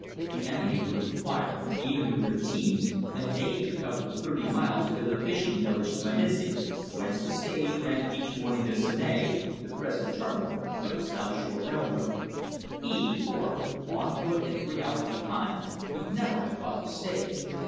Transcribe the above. The enemy would require, even with their teams, a day to cover the thirty miles to the fishing village of Munising, whence the stage ran each morning to Seney, the present terminal of the South Shore Railroad. He, Thorpe, on foot and three hours behind, could never have caught the stage.